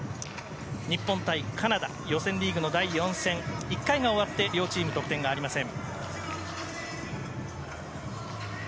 日本対カナダ予選リーグの第４戦１回が終わって両チーム得点がありません。